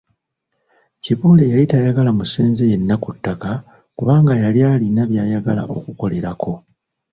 Kibuule yali tayagala musenze yenna ku ttaka kubanga yali alina by’ayagala okukolerako.